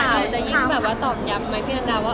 อย่างนี้ค่ะจะยิ่งแบบว่าตอบย้ำใหม่เพื่อนดาว่า